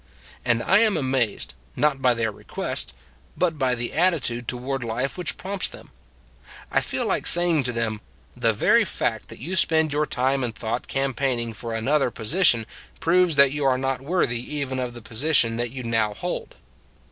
" And I am amazed, not by their requests, but by the attitude toward life which prompts them. " I feel like saying to them : The very fact that you spend your time and thought campaigning for another position proves that you are not worthy even of the posi tion that you now hold.